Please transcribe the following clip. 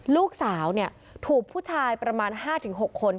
ลูกสาวเนี่ยถูกผู้ชายประมาณห้าถึงหกคน